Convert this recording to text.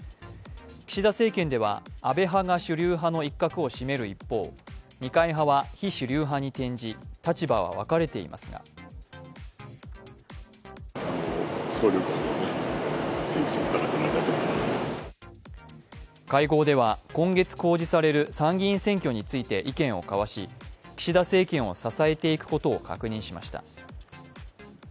岸田政権では安倍派が主流派の一角を占める一方、二階派は非主流派に転じ立場は分かれていますが会合では、今月公示される参議院選挙について意見を交わし、岸田政権を支えていくことを確認しました。